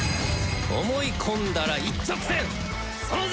思い込んだら一直線ソノザ！